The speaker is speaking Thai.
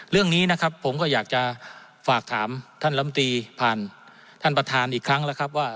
เรื่องนี้นะครับผมก็อยากจะฝากถามท่านลำตีผ่านท่านประธานอีกครั้งแล้วครับว่า